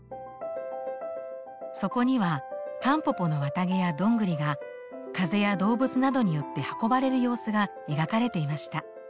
そこにはたんぽぽの綿毛やどんぐりが風や動物などによって運ばれる様子が描かれていました。